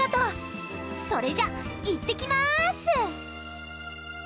それじゃいってきます！